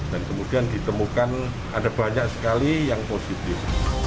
dan kemudian ditemukan ada banyak sekali yang positif